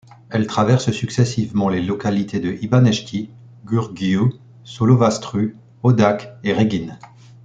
Elle traverse successivement les localités de Ibănești, Gurghiu, Solovăstru, Hodac et Reghin.